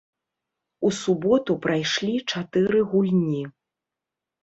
У суботу прайшлі чатыры гульні.